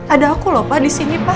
ada aku lho pa di sini pa